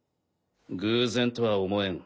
偶然とは思えん。